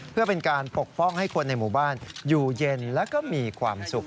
เพื่อเป็นการปกป้องให้คนในหมู่บ้านอยู่เย็นแล้วก็มีความสุข